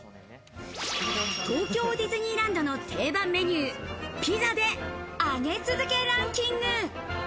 東京ディズニーランドの定番メニュー、ピザで上げ続けランキング。